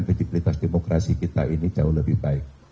kredibilitas demokrasi kita ini jauh lebih baik